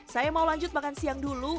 saya mau lanjut makan siang dulu